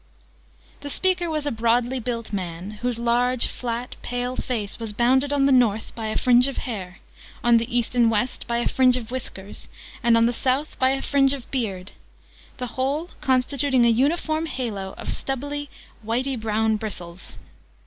The speaker was a broadly built man, whose large, flat, pale face was bounded on the North by a fringe of hair, on the East and West by a fringe of whisker, and on the South by a fringe of beard the whole constituting a uniform halo of stubbly whitey brown bristles.